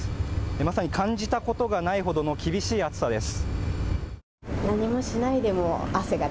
まさに感じたことがないほどの厳しい暑さです。